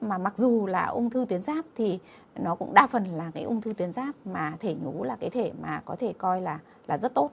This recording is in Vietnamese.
mà mặc dù là ung thư tuyến ráp thì nó cũng đa phần là cái ung thư tuyến giáp mà thể nhú là cái thể mà có thể coi là rất tốt